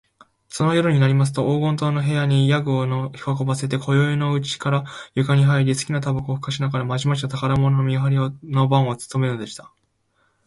その夜になりますと、黄金塔の部屋に夜具を運ばせて、宵よいのうちから床にはいり、すきなたばこをふかしながら、まじまじと宝物の見はり番をつとめるのでした。